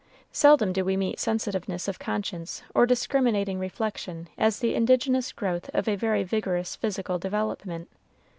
Seldom do we meet sensitiveness of conscience or discriminating reflection as the indigenous growth of a very vigorous physical development.